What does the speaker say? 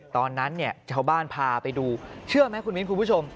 ตอนนั้นเนี่ยชาวบ้านพาไปดูเชื่อไหมคุณมิ้นคุณผู้ชม